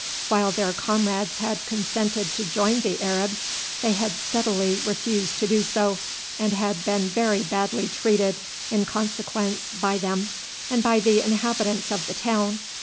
While their comrades had consented to join the Arabs they had steadily refused to do so, and had been very badly treated in consequence by them and by the inhabitants of the town.